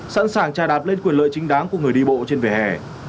sẵn sàng trà đạp lên quyền lợi chính đáng của người đi bộ trên vỉa hè